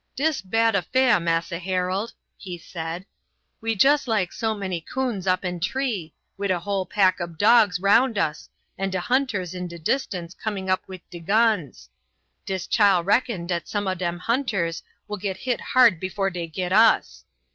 "Dis bad affair, Massa Harold," he said. "We jess like so many coons up in tree, wid a whole pack ob dogs round us, and de hunters in de distance coming up wid de guns. Dis chile reckon dat some ob dem hunters will get hit hard before dey get us.